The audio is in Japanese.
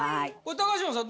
高島さん